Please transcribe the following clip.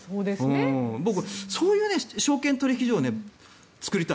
僕、そういう証券取引所を作りたい。